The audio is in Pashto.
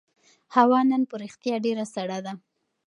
هوا نن په رښتیا ډېره سړه ده.